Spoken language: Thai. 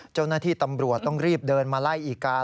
เจ้าหน้าที่ตำรวจต้องรีบเดินมาไล่อีกกัน